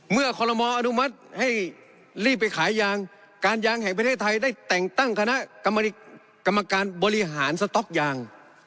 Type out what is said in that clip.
คอลโลมออนุมัติให้รีบไปขายยางการยางแห่งประเทศไทยได้แต่งตั้งคณะกรรมการบริหารสต๊อกยาง